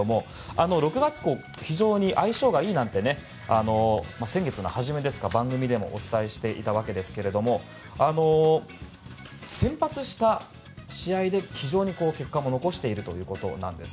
６月、非常に相性がいいなんて先月の初めですか、番組でもお伝えしていたわけですけれども先発した試合で非常に結果も残しているということです。